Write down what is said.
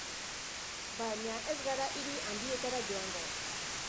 Baina ez gara hiri handietara joango.